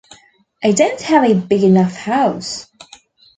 I don't have a big enough house!